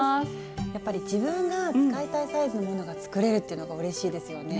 やっぱり自分が使いたいサイズのものが作れるっていうのがうれしいですよね。